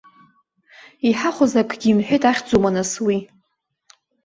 Иҳахәоз акгьы имҳәеит ахьӡума, нас, уи.